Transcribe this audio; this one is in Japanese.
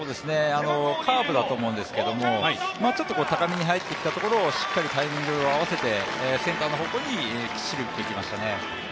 カーブだと思うんですけどちょっと高めに入ってきたところをしっかりタイミングを合わせてセンターの方向にきっちりと打っていきましたね。